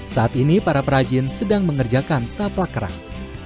saat ini para perajin sedang mengerjakan taplak kerang